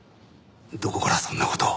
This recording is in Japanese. どこからそんな事を？